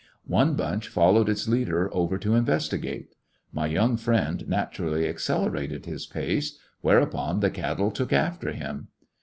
One bunch followed its leader over to investigate. My young friend natu rally accelerated his pace, whereupon the cat tle took after him.